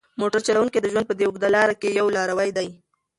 موټر چلونکی د ژوند په دې اوږده لاره کې یو لاروی دی.